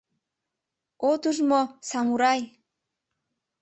— От ужмо: самурай!